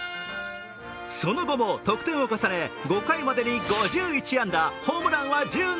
その後も得点を重ね、５回までに５１安打、ホームランは１７本。